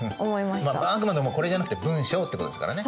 まああくまでもこれじゃなくて文章ってことですからね。